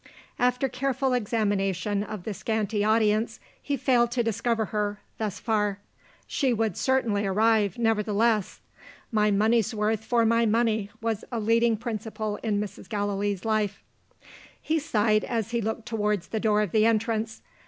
After careful examination of the scanty audience, he failed to discover her thus far. She would certainly arrive, nevertheless. My money's worth for my money was a leading principle in Mrs. Gallilee's life. He sighed as he looked towards the door of entrance.